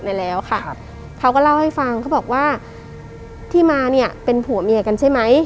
ไปแล้วค่ะครับเขาก็เล่าให้ฟังเขาบอกว่าที่มาเนี่ยเป็นผัวเมียกันใช่ไหม